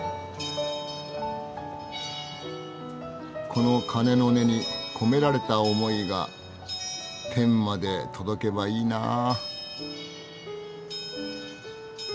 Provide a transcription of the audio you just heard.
この鐘の音に込められた思いが天まで届けばいいなぁ。